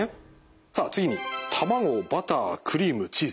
さあ次に卵バタークリームチーズ。